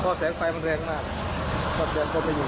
เพราะแสงไฟมันแรงมากความแสงต้นไปหยุด